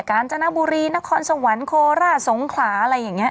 การจนบุรีนครสวรรค์โคราชสงขลาอะไรอย่างนี้